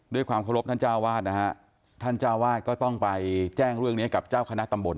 ด้วยความเคารพท่านเจ้าวาดนะฮะท่านเจ้าวาดก็ต้องไปแจ้งเรื่องนี้กับเจ้าคณะตำบล